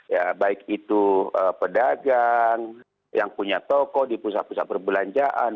ya baik itu pedagang yang punya toko di pusat pusat perbelanjaan